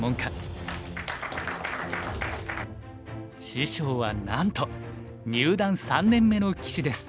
師匠はなんと入段三年目の棋士です。